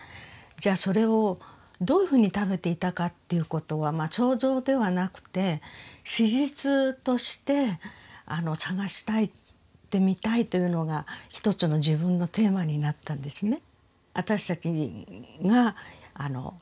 じゃそれをどういうふうに食べていたかということは想像ではなくて史実として探してみたいというのが一つの自分のテーマになったんですね。